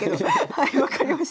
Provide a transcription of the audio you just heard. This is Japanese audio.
はい分かりました。